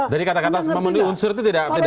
jadi kata kata memenuhi unsur itu tidak